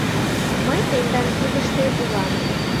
Мый тендан кидыште улам.